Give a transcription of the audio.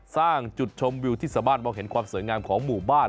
สร้างจุดชมวิวที่สามารถมองเห็นความสวยงามของหมู่บ้าน